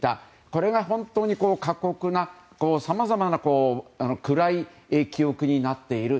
これが本当に過酷なさまざまな暗い記憶になっている。